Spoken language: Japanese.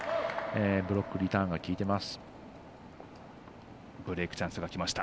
ブロックリターンが効いています。